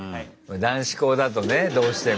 男子校だとねどうしても。